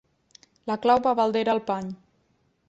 La clau va baldera al pany.